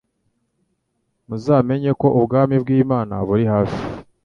muzamenye ko ubwami bw'Imana buri hafi."